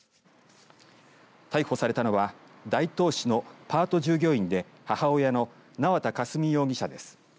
逮捕されたのは大東市のパート従業員で母親の縄田佳純容疑者です。